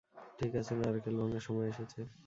ঠিক আছে, নারকেল ভাঙার সময় এসেছে।